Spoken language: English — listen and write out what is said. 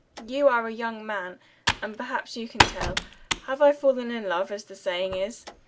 You are a young man, and perhaps you can tell. Have I fallen in love, as the saying is?"